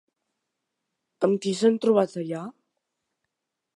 Amb qui s'han trobat allà?